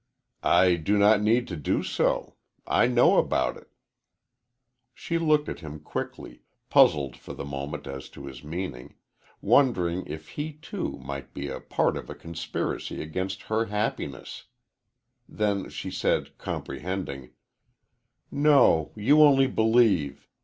"I do not need to do so. I know about it." She looked at him quickly puzzled for the moment as to his meaning wondering if he, too, might be a part of a conspiracy against her happiness. Then she said, comprehending: "No, you only believe.